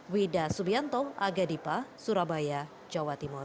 wida subianto aga dipa surabaya jawa timur